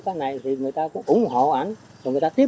cũng từ tấm gương tiên phong của ông phạm hoàng tiến